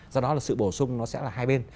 do đó là sự bổ sung nó sẽ là hai bên